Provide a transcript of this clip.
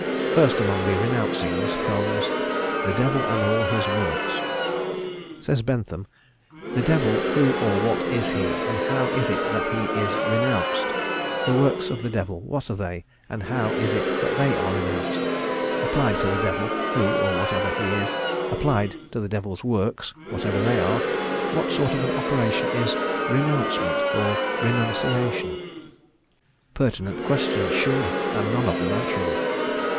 First amongst the renouncings comes "the devil and all his works." Says Bentham "The Devil, who or what is he, and how is it that he is renounced? The works of the Devil, what are they, and how is it that they are renounced? Applied to the Devil, who or whatever he is applied to the Devil's works, whatever they are what sort of an operation is renouncement or renunciation?" Pertinent questions, surely, and none of them answerable.